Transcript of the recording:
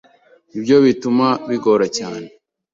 Nibyo bituma bigora cyane.